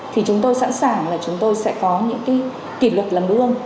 thì chúng tôi sẵn sàng là chúng tôi sẽ có những kỷ lực làm ưu ơn